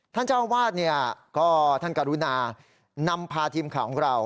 ท่านเจ้าวาดเนี่ยก็ท่านกรุณานำพาทีมข่าวของเรา